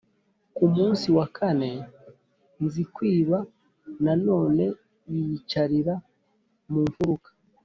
Ku munsi wa kane, Nzikwiba na none yiyicarira mu mfuruka